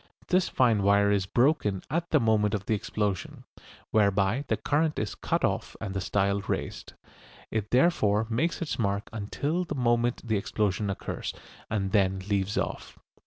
This fine wire is broken at the moment of the explosion, whereby the current is cut off and the style raised. It therefore makes its mark until the moment the explosion occurs, and then leaves off.